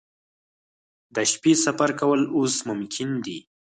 د شپې سفر کول اوس ممکن دي